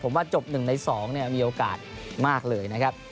ผมว่าจบ๑ใน๒มีโอกาสมากเลยนะครับ